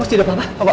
masih tidak apa apa